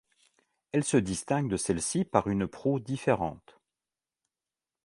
Elle se distingue de celle-ci par une proue différente.